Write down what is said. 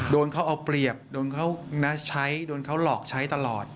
โดนเขาเอาเปรียบโดนเขานะใช้โดนเขาหลอกใช้ตลอด